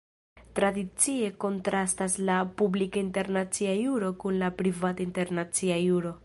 Tradicie kontrastas la "publika internacia juro" kun la "privata internacia juro".